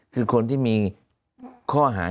คือคนที่มีข้อหา